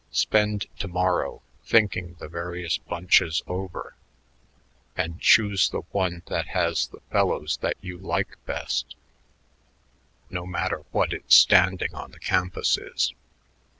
Spend to morrow thinking the various bunches over and choose the one that has the fellows that you like best, no matter what its standing on the campus is.